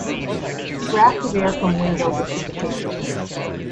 Draught of air from window lifted the paper.